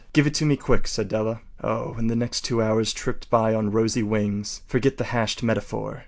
“Give it to me quick,” said Della. Oh, and the next two hours tripped by on rosy wings. Forget the hashed metaphor.